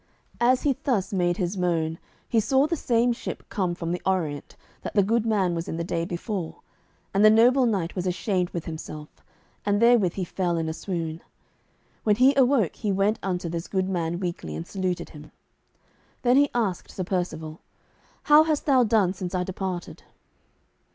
As he thus made his moan, he saw the same ship come from the Orient that the good man was in the day before, and the noble knight was ashamed with himself, and therewith he fell in a swoon. When he awoke he went unto this good man weakly, and saluted him. Then he asked Sir Percivale, "How hast thou done since I departed?"